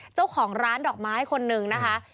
เจ้าของร้านดอกไม้คนนึงนะคะ